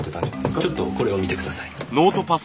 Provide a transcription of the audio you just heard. ちょっとこれを見てください。